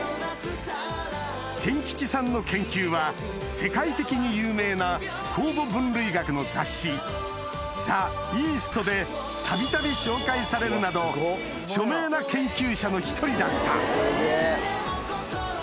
健吉さんの研究は世界的に有名な酵母分類学の雑誌『ザ・イースト』で度々紹介されるなど著名な研究者の一人だったすげぇ。